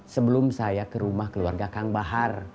sebelum saya ke rumah keluarga kang bahar